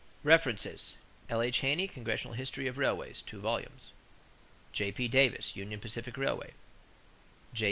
=References= L.H. Haney, Congressional History of Railways (2 vols.). J.P. Davis, Union Pacific Railway. J.